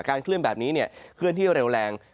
เคลื่อนแบบนี้เคลื่อนที่เร็วแรง